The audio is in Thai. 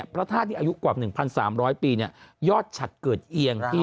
พระธาตุที่อายุกว่า๑๓๐๐ปียอดฉัดเกิดเอียง